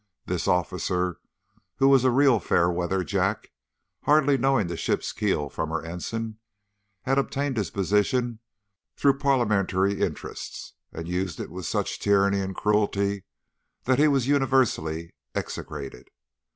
This officer, who was a real fair weather Jack, hardly knowing the ship's keel from her ensign, had obtained his position through parliamentary interest, and used it with such tyranny and cruelty that he was universally execrated.